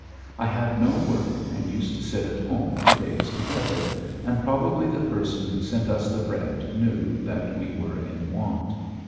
I had no work and used to sit at home for days together, and probably the person who sent us the bread knew that we were in want.